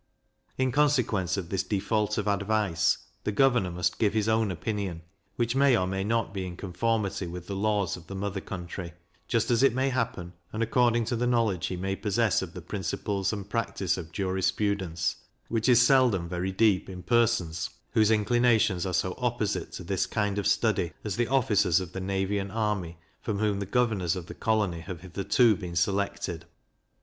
In consequence of this default of advice, the governor must give his own opinion, which may or may not be in conformity with the laws of the mother country, just as it may happen, and according to the knowledge he may possess of the principles and practice of jurisprudence, which is seldom very deep in persons whose inclinations are so opposite to this kind of study as the officers of the navy and army, from whom the governors of the colony have hitherto been selected.